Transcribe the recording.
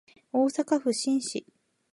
大阪府門真市